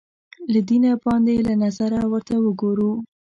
له دینه باندې له نظره ورته وګورو